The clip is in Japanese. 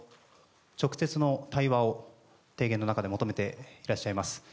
直接の対話を提言の中で求めていらっしゃいます。